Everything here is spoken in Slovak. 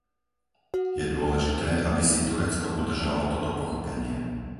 Je dôležité, aby si Turecko udržalo toto pochopenie.